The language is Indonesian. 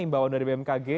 imbauan dari bmkg